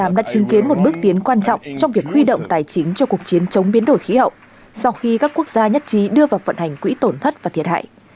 việt nam đã chứng kiến một bước tiến quan trọng trong việc huy động tài chính cho cuộc chiến chống biến đổi khí hậu sau khi các quốc gia nhất trí đưa vào vận hành quỹ tổn thất và thiệt hại